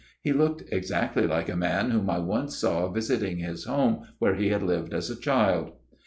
He looked exactly like a man whom I once saw visiting his home where he had lived as a child.'